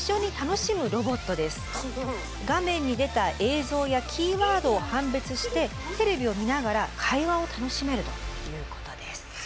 画面に出た映像やキーワードを判別してテレビを見ながら会話を楽しめるということです。